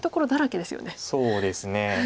そうですね。